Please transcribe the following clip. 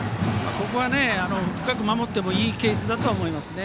ここは深く守ってもいいケースだと思いますね。